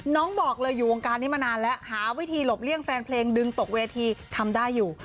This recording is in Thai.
บอกเลยอยู่วงการนี้มานานแล้วหาวิธีหลบเลี่ยงแฟนเพลงดึงตกเวทีทำได้อยู่